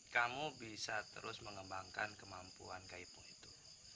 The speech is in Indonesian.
kamu bisa terus mengembangkan kemampuan kak ibu itu